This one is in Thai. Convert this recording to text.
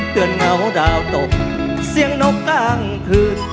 เตือนเหงาดาวตกเสียงนกกางพื้น